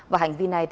và hành vi này